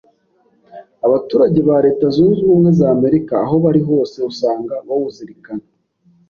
abaturage ba leta zunze ubumwe z’Amerika aho bari hose usanga bawuzirikana.